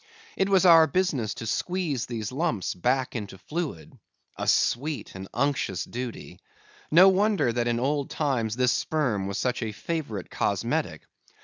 It was our business to squeeze these lumps back into fluid. A sweet and unctuous duty! No wonder that in old times this sperm was such a favourite cosmetic.